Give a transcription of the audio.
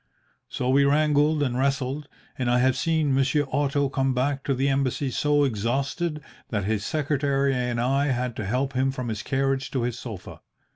So we wrangled and wrestled, and I have seen Monsieur Otto come back to the Embassy so exhausted that his secretary and I had to help him from his carriage to his sofa.